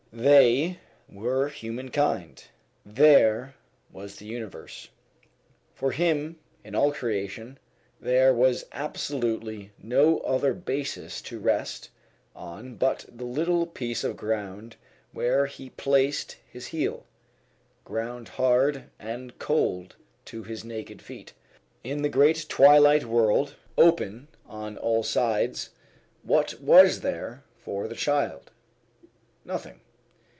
They were humankind. There was the universe. For him in all creation there was absolutely no other basis to rest on but the little piece of ground where he placed his heel, ground hard and cold to his naked feet. In the great twilight world, open on all sides, what was there for the child? Nothing.